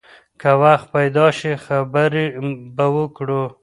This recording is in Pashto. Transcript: که وخت پیدا شي، خبرې به وکړو.